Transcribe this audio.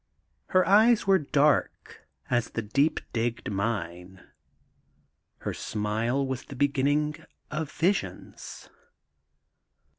Her eyes were dark as the deep digged mine. Her smile was the beginning of visions.